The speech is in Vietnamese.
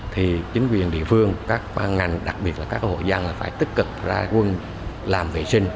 thì chính quyền địa phương các ngành đặc biệt là các hội gia phải tích cực ra quân làm vệ sinh